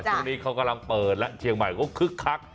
ช่วงนี้เขากำลังเปิดแล้วเชียงใหม่เขาคึกคัก